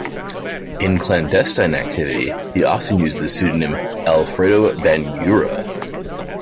In clandestine activity he often used the pseudonym Alfredo Bangura.